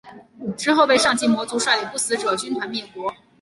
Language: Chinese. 之后被上级魔族率领不死者军团灭国。